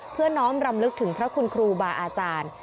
น้อมรำลึกถึงพระคุณครูบาอาจารย์